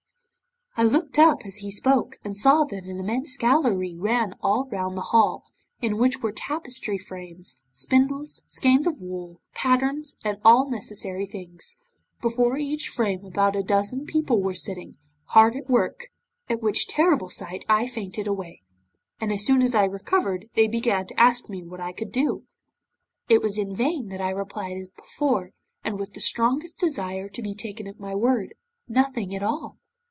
'I looked up as he spoke, and saw that an immense gallery ran all round the hall, in which were tapestry frames, spindles, skeins of wool, patterns, and all necessary things. Before each frame about a dozen people were sitting, hard at work, at which terrible sight I fainted away, and as soon as I recovered they began to ask me what I could do. 'It was in vain that I replied as before, and with the strongest desire to be taken at my word, "Nothing at all."